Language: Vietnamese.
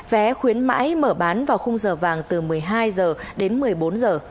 vé khuyến mãi mở bán vào khung giờ vàng từ một mươi hai h đến một mươi bốn h